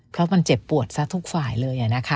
เพราะมันเจ็บปวดซะทุกฝ่ายเลย